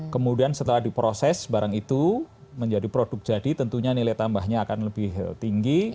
kemudian setelah diproses barang itu menjadi produk jadi tentunya nilai tambahnya akan lebih tinggi